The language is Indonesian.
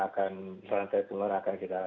akan santai penularan akan kita